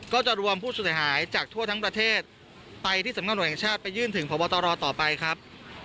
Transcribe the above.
ก็จะรวมผู้เสียหายจากทั่วทั้งประเทศไปที่สำนวนแห่งชาติไปยื่นถึงพบตรต่อไปครับ